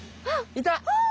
いた！